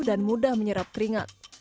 dan mudah menyerap keringat